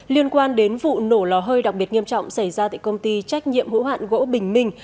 liên quan đến vụ nổ lò hơi đặc biệt nghiêm trọng xảy ra tại công ty trách nhiệm hữu hạn gỗ bình minh